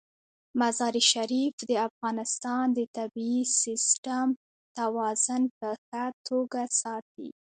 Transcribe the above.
مزارشریف د افغانستان د طبعي سیسټم توازن په ښه توګه ساتي.